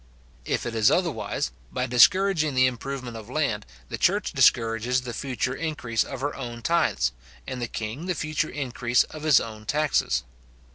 If it is otherwise, by discouraging the improvement of land, the church discourages the future increase of her own tithes, and the king the future increase of his own taxes.